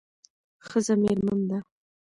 ښځه میرمن ده